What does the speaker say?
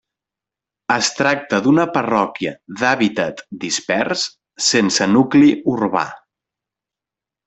Es tracta d'una parròquia d'hàbitat dispers, sense nucli urbà.